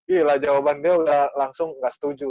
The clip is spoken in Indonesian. ih lah jawaban dia udah langsung nggak setuju